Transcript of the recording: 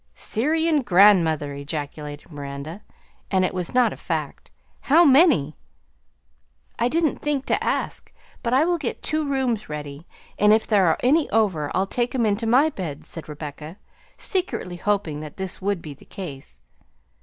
"Syrian grandmother!" ejaculated Miranda (and it was not a fact). "How many?" "I didn't think to ask; but I will get two rooms ready, and if there are any over I'll take 'em into my bed," said Rebecca, secretly hoping that this would be the case.